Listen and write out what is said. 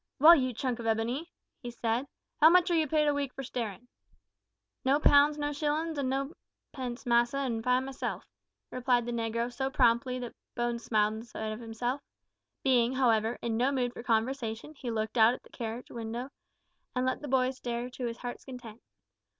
"Well, you chunk of ebony," he said, "how much are you paid a week for starin'?" "No pound no shillin's an' nopence, massa, and find myself," replied the negro so promptly that Bones smiled in spite of himself. Being, however, in no mood for conversation, he looked out at the carriage window and let the boy stare to his heart's content.